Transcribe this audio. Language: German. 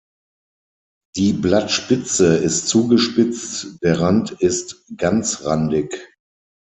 Die Blattspitze ist zugespitzt, der Rand ist ganzrandig.